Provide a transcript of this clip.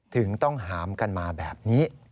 ถึงต้องหามกันมาแบบนี้